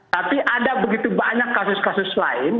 tapi ada begitu banyak kasus kasus lain